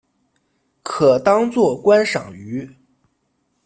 可当作观赏鱼。